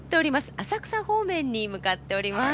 浅草方面に向かっております。